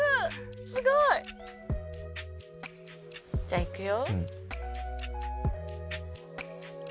すごい！じゃあいくよ。